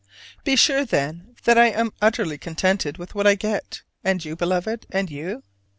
Be sure, then, that I am utterly contented with what I get (and you, Beloved, and you?)